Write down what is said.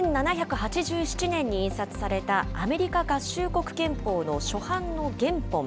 １７８７年に印刷されたアメリカ合衆国憲法の初版の原本。